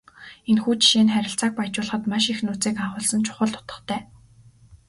Энэхүү жишээ нь харилцааг баяжуулахад маш их нууцыг агуулсан чухал утгатай.